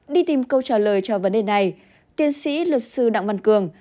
đi tìm câu trả lời cho vấn đề này tiến sĩ luật sư đặng văn cường